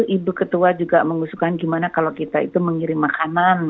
ibu ketua juga mengusulkan gimana kalau kita itu mengirim makanan